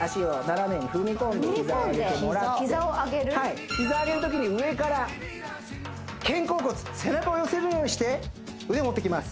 足を斜めに踏み込んで膝を上げてもらって膝上げるときに上から肩甲骨背中を寄せるようにして上持っていきます